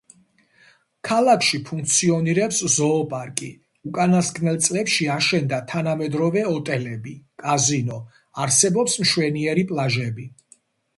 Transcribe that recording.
ქალაქში ფუნქციონირებს ზოოპარკი, უკანასკნელ წლებში აშენდა თანამედროვე ოტელები, კაზინო, არსებობს მშვენიერი პლაჟები.